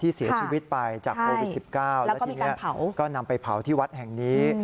เสียชีวิตไปจากโควิด๑๙แล้วทีนี้ก็นำไปเผาที่วัดแห่งนี้